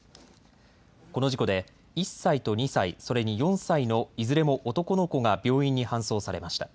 この事故で、１歳と２歳、それに４歳のいずれも男の子が病院に搬送されました。